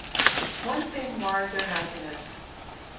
One thing marred their happiness.